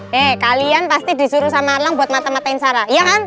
hei kalian pasti disuruh sama elang buat mata matain sarah iya kan